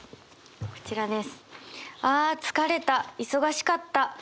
こちらです。